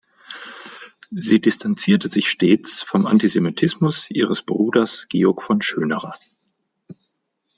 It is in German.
Sie distanzierte sich stets vom Antisemitismus ihres Bruders Georg von Schönerer.